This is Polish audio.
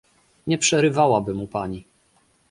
Nie przerwałaby mu pani